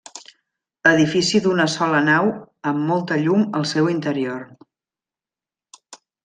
Edifici d'una sola nau amb molta llum al seu interior.